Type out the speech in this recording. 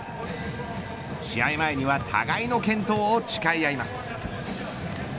試合前には互いの健闘を誓い合います。